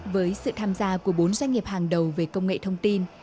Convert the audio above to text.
với sự tham gia của bốn doanh nghiệp hàng đầu về công nghệ thông tin